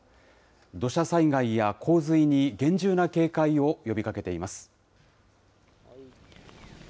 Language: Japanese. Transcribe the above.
土砂災害や洪水に厳重な警戒を呼びかけています。